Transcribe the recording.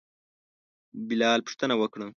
بلال پوښتنه وکړه.